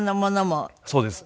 そうです。